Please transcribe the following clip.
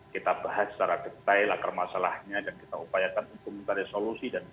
kita bahas secara detail akar masalahnya dan kita upayakan untuk mencari solusi